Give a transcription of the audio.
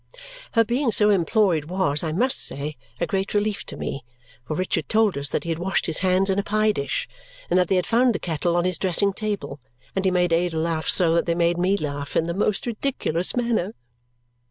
Her being so employed was, I must say, a great relief to me, for Richard told us that he had washed his hands in a pie dish and that they had found the kettle on his dressing table, and he made Ada laugh so that they made me laugh in the most ridiculous manner.